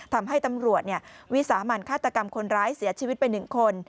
ทำให้ตำรวจวิสามันฆาตกรรมคนร้ายเสียชีวิตไป๑คน